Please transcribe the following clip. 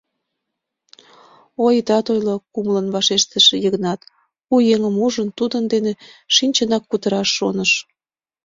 — Ой, итат ойло!.. — кумылын вашештыш Йыгнат, у еҥым ужын, тудын дене шинчынак кутыраш шоныш.